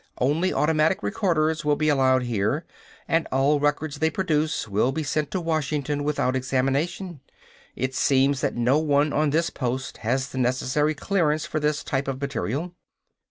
Only automatic recorders will be allowed here, and all records they produce will be sent to Washington without examination. It seems that no one on this post has the necessary clearance for this type of material."